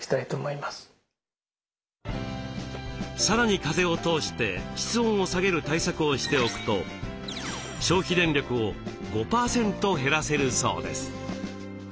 さらに風を通して室温を下げる対策をしておくと消費電力を５％減らせるそうです。